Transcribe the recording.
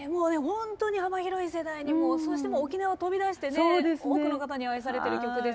本当に幅広い世代にもそして沖縄を飛び出してね多くの方に愛されてる曲ですけど。